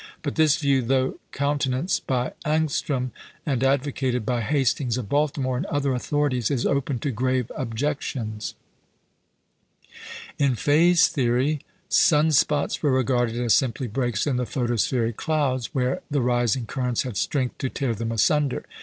But this view, though countenanced by Ångström, and advocated by Hastings of Baltimore, and other authorities, is open to grave objections. In Faye's theory, sun spots were regarded as simply breaks in the photospheric clouds, where the rising currents had strength to tear them asunder.